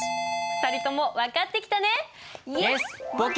２人とも分かってきたね！